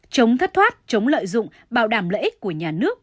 chống thất thoát chống lợi dụng bảo đảm lợi ích của nhà nước